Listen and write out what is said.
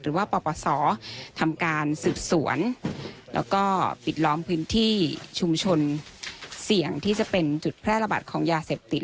ปปศทำการสืบสวนแล้วก็ปิดล้อมพื้นที่ชุมชนเสี่ยงที่จะเป็นจุดแพร่ระบาดของยาเสพติด